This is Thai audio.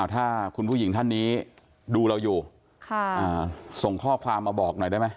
ถ้าคุณผู้หญิงท่านนี้ดูเราอยู่ส่งข้อความมาบอกหน่อยได้ไหม